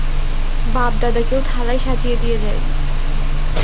বাপ-দাদা কেউ থালায় সাজিয়ে দিয়ে যায়নি।